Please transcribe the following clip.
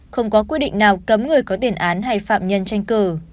không có quyết định nào cấm người có tiền án hay phạm nhân tranh cử